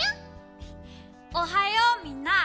おはようみんな。